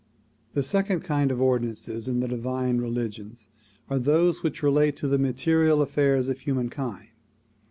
The second kind of ordinances in the divine religions are those which relate to the material affairs of humankind.